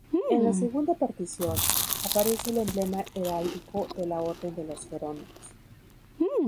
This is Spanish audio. En la segunda partición, aparece el emblema heráldico de la orden de los Jerónimos.